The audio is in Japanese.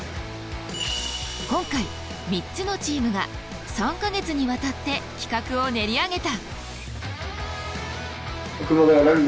今回３つのチームが３か月にわたって企画を練り上げた。